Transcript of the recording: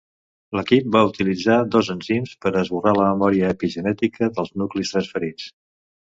L'equip va utilitzar dos enzims per a esborrar la memòria epigenètica dels nuclis transferits.